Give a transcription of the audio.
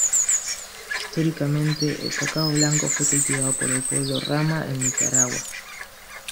Históricamente, el cacao blanco fue cultivado por el pueblo Rama en Nicaragua.